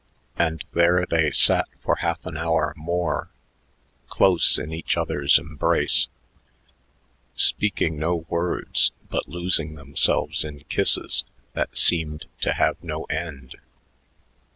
And there they sat for half an hour more, close in each other's embrace, speaking no words, but losing themselves in kisses that seemed to have no end.